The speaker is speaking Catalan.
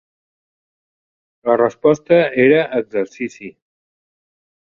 La resposta era "Exercici".